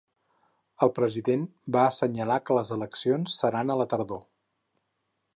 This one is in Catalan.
El president va assenyalar que les eleccions seran a la tardor.